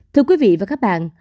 thưa quý vị và các bạn